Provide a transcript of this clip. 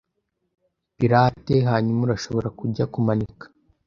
pirate, hanyuma urashobora kujya kumanika! ”